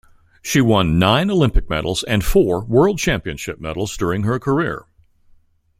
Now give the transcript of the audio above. She won nine Olympic medals and four World Championship medals during her career.